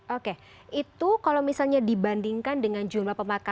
oke itu kalau misalnya dibandingkan dengan jumlah pemakaian